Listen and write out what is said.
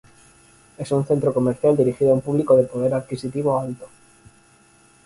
Es un centro comercial dirigido a un público de poder adquisitivo alto.